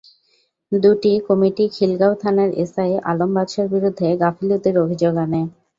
দুটি কমিটি খিলগাঁও থানার এসআই আলম বাদশার বিরুদ্ধে গাফিলতির অভিযোগ আনে।